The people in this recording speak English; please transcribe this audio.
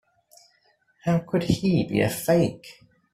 How could he be a fake?